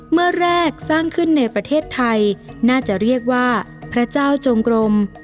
เมื่อแรกสร้างขึ้นในประเทศไทยน่าจะเรียกว่าพระเจ้าจงกรม